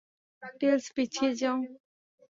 Tales, পিছিয়ে যাও।